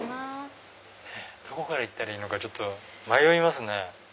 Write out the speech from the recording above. どこから行ったらいいのかちょっと迷いますね。